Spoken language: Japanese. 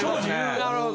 なるほど。